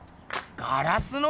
ガラスの？